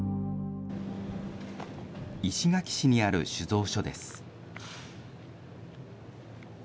石垣市にある酒造所です。